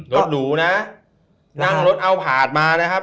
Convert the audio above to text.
รถหรูนะนั่งรถเอาผาดมานะครับ